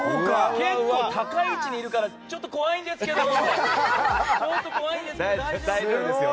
結構高い位置にいるからちょっと怖いんですけどー！